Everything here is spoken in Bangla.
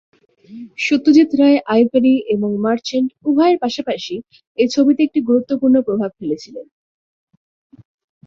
সত্যজিৎ রায় আইভরি এবং মার্চেন্ট উভয়ের পাশাপাশি এই ছবিতে একটি গুরুত্বপূর্ণ প্রভাব ফেলেছিলেন।